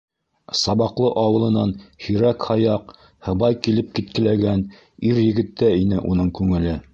Сабаҡлы ауылынан һирәк-һаяҡ һыбай килеп-киткеләгән ир-егеттә ине уның күңеле.